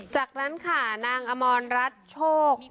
จากนั้นค่านางอมรรดรี้โชครับ